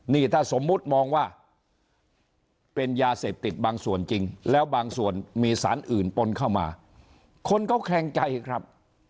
นี่ถ้าสมมุติมองว่าเป็นยาเสพติดบางส่วนจริงแล้วบางส่วนมีสารอื่นปนเข้ามาคนก็แคลงใจครับ